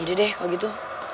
yaudah deh kalau gitu